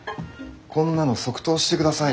こんなの即答してください。